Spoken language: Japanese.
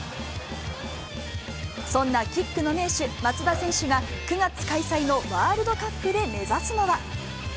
そんなキックの名手、松田選手が、９月開催のワールドカップで目指すのは。